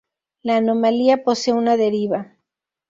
La anomalía posee una deriva.